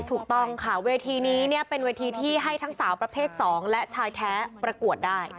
ถูกต้องค่ะเวทีนี้เนี่ยเป็นเวทีที่ให้ทั้งสาวประเภท๒และชายแท้ประกวดได้